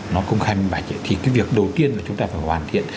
nó không khen bạch thì cái việc đầu tiên là chúng ta phải hoàn thiện